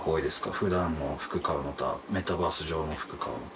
普段の服買うのとメタバース上の服買うのと。